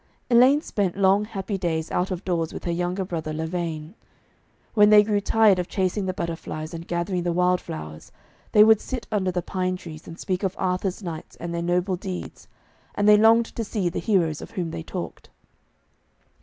Elaine spent long happy days out of doors with her younger brother Lavaine. When they grew tired of chasing the butterflies and gathering the wildflowers, they would sit under the pine trees and speak of Arthur's knights and their noble deeds, and they longed to see the heroes of whom they talked.